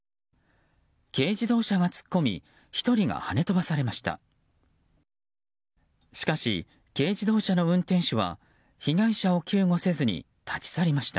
軽自動車が突っ込み１人が、はね飛ばされました。